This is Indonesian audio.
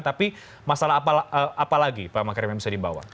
tapi masalah apa lagi pak makarim yang bisa dibawa